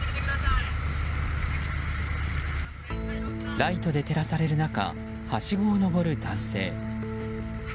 ライトで照らされる中はしごを上る男性。